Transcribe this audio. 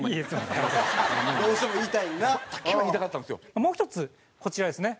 もう１つこちらですね。